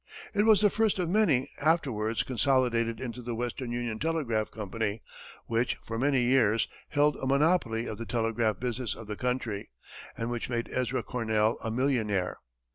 It was the first of many, afterwards consolidated into the Western Union Telegraph Company, which, for many years, held a monopoly of the telegraph business of the country, and which made Ezra Cornell a millionaire.